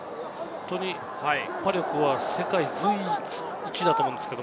突破力は世界随一だと思うんですけど。